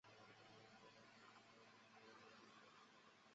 迈亚最后与其他普勒阿得斯一起变成了天空中的昴星团。